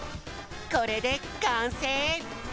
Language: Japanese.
これでかんせい！